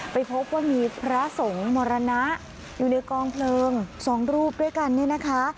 ไปพบว่ามีพระสงฆ์มรณะอยู่ในกองเพลิงสองรูปด้วยกันเนี่ยนะคะ